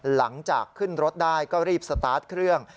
หลังจากขึ้นรถได้ก็รีบสตาร์ทเครื่อง